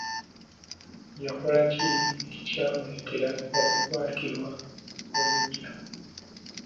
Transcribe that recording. Yakola ki ekyamuleetera okukwatirwa obuggya?